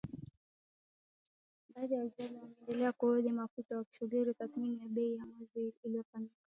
Baadhi ya waagizaji wameendelea kuhodhi mafuta, wakisubiri tathmini ya bei kila mwezi inayofanywa na Mamlaka ya Udhibiti wa Nishati na Petroli.